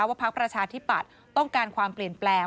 พักประชาธิปัตย์ต้องการความเปลี่ยนแปลง